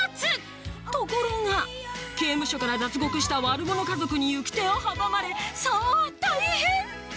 ところが刑務所から脱獄した悪者家族に行く手を阻まれさぁ大変！